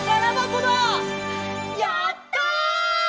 やった！